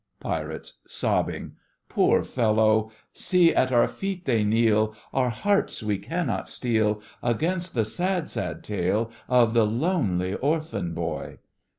PIRATES: Poor fellow! See at our feet they kneel; Our hearts we cannot steel Against the sad, sad tale of the lonely orphan boy!